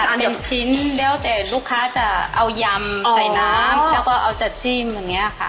หนึ่งชิ้นแล้วแต่ลูกค้าจะเอายำใส่น้ำแล้วก็เอาจะจิ้มอย่างนี้ค่ะ